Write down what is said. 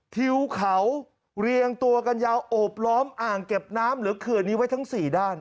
ทิวเขาเรียงตัวกันยาวโอบล้อมอ่างเก็บน้ำหรือเขื่อนนี้ไว้ทั้ง๔ด้าน